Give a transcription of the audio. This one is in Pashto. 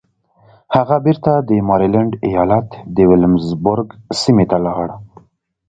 هغه بېرته د ماريلنډ ايالت د ويلمزبرګ سيمې ته لاړ.